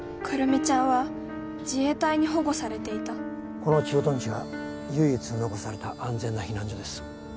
来美ちゃんは自衛隊に保護されていたこの駐屯地は唯一残された安全な避難所です。